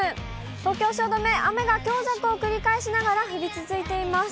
東京・汐留、雨が強弱を繰り返しながら降り続いています。